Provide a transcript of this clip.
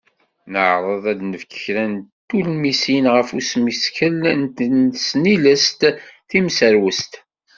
Neɛreḍ ad d-nefk kra n tulmisin ɣef usmeskel n tesnilest timserwest.